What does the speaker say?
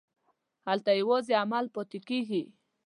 هلته یوازې عمل پاتې کېږي.